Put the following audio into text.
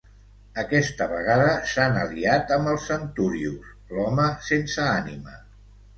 Aquesta vegada s'han aliat amb el Centurious, l'home sense ànima.